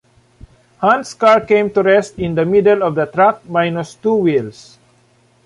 Hunt's car came to rest in the middle of the track, minus two wheels.